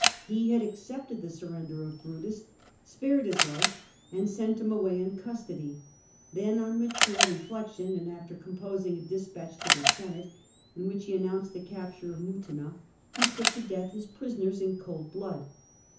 He had accepted the surrender of Brutus, spared his life, and sent him away in custody. Then, on mature reflection, and after composing a de spatch to the Senate in which he announced the capture of Mutina, he put to death his prisoners in cold blood.